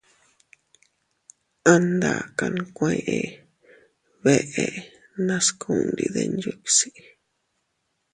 An daaka nkuee bee nascundi dinyuusi.